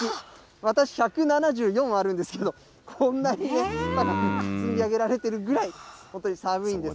私、１７４あるんですけど、こんなにまだ積み上げられてるぐらい、本当に寒いんです。